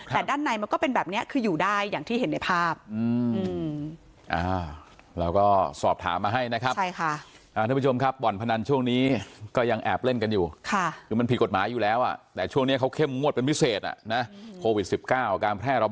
แต่ด้านในมันก็เป็นแบบนี้คืออยู่ได้อย่างที่เห็นในภาพ